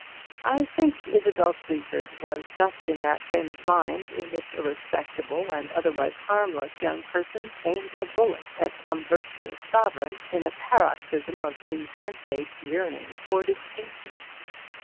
I think Isabel Sleaford was just in that frame of mind in which a respectable, and otherwise harmless, young person aims a bullet at some virtuous sovereign, in a paroxysm of insensate yearning for distinction.